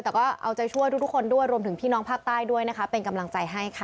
แต่ก็เอาใจช่วยทุกคนด้วยรวมถึงพี่น้องภาคใต้ด้วยนะคะเป็นกำลังใจให้ค่ะ